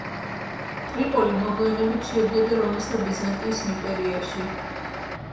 ტრიპოლი მოგვიანებით შედიოდა რომის და ბიზანტიის იმპერიაში.